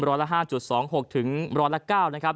ร้อยละห้าจุดสองหกถึงร้อยละเก้านะครับ